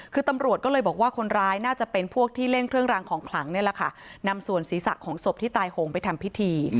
คือตำรวจก็เลยบอกว่าคนร้ายน่าจะเป็นพวกที่เล่นเครื่องรางของขลังนี่แหละค่ะนำส่วนศีรษะของศพที่ตายโหงไปทำพิธี